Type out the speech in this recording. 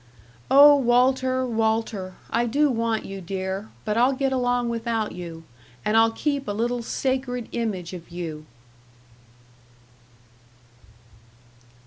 "Oh, Walter, Walter, I do want you, dear, but I'll get along without you, and I'll keep a little sacred image of you."